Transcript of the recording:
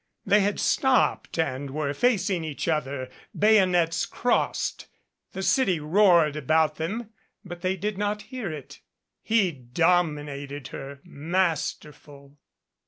They had stopped and were facing each other, bay onets crossed. The city roared about them, but they did not hear it. He dominated her, masterful.